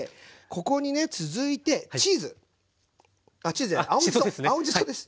ここにね続いてチーズ！あっチーズじゃない青じそ青じそです。